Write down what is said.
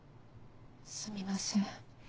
すみません。